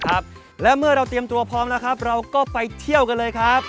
ตรวจเตรียมตัวไปเที่ยวกันเลยเลยครับ